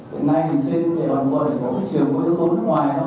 hiện nay trên đề đoàn quân có các trường có ứng tố nước ngoài